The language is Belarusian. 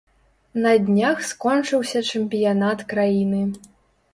На днях скончыўся чэмпіянат краіны.